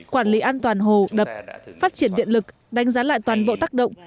quản lý an toàn hồ đập phát triển điện lực đánh giá lại toàn bộ tác động